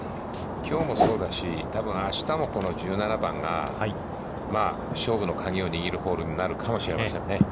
きょうもそうだし、多分あしたもこの１７番が、勝負の鍵を握るホールになるかもしれませんね。